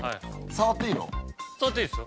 触っていいですよ。